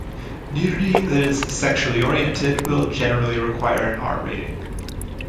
Nudity that is sexually oriented will generally require an R rating.